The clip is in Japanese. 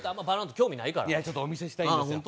ちょっとお見せしたいんですよ。